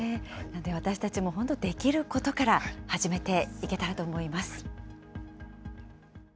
私たちも本当、できることから始めていけたらと思います。